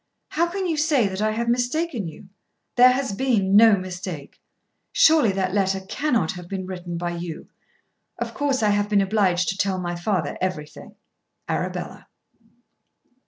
How can you say that I have mistaken you? There has been no mistake. Surely that letter cannot have been written by you. Of course I have been obliged to tell my father everything. ARABELLA.